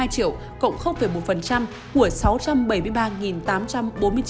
một trăm một mươi hai triệu cộng một của sáu trăm bảy mươi ba